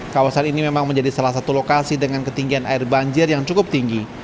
kawasan ini memang menjadi salah satu lokasi dengan ketinggian air banjir yang cukup tinggi